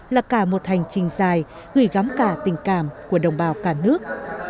là cả một hành trình dài gửi gắm cả tình cảm của đồng bào cả nước